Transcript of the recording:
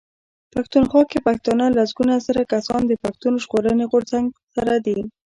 پښتونخوا کې پښتانه لسګونه زره کسان د پښتون ژغورني غورځنګ سره دي.